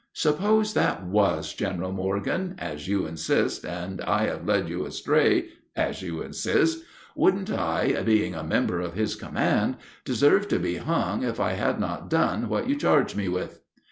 "Suppose that was General Morgan, as you insist, and I have led you astray, as you insist, wouldn't I, being a member of his command, deserve to be hung if I had not done what you charge me with?"